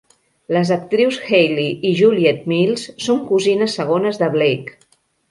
Les actrius Hayley i Juliet Mills són cosines segones de Blake.